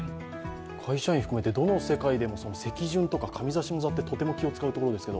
会社員含めてどの世界でも席順とか上座、下座ってとても気を遣うところですよね。